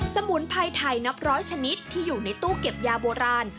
สมุนไพรไทยนับร้อยชนิดที่อยู่ในตู้เก็บยาโบราณ